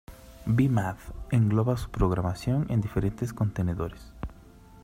Be Mad engloba su programación en diferentes contenedores.